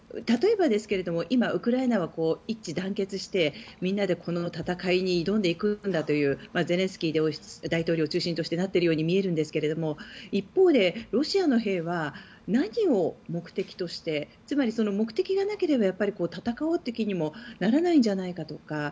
例えば今、ウクライナは一致団結してみんなでこの戦いに挑んでいくんだというゼレンスキー大統領を中心としてなっているように見えるんですけど一方でロシアの兵は何を目的としてつまり、目的がなければ戦おうという気にもならないんじゃないかとか。